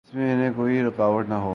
اس میں انہیں کوئی رکاوٹ نہ ہوئی۔